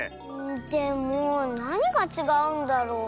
でもなにがちがうんだろう？